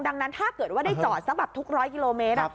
ดังนั้นถ้าเกิดได้จอดทุก๑๐๐กิโลเมตร